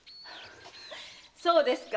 そうですか。